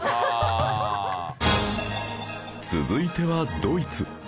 続いてはドイツ